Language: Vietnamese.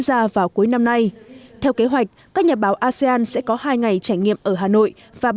gia vào cuối năm nay theo kế hoạch các nhà báo asean sẽ có hai ngày trải nghiệm ở hà nội và